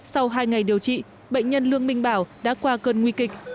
sau hai ngày điều trị bệnh nhân lương minh bảo đã qua cơn nguy kịch